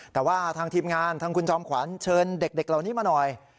แต่ว่าทางทีมงานทางคุณจอมขวัญเชิญเด็กเหล่านี้มาหน่อย